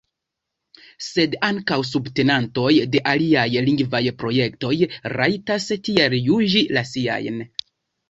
Sed ankaŭ subtenantoj de aliaj lingvaj projektoj rajtas tiel juĝi la siajn.